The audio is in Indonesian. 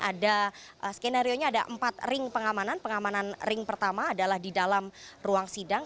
ada skenario nya ada empat ring pengamanan pengamanan ring pertama adalah di dalam ruang sidang